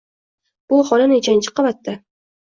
Bu xona nechanchi qavatda?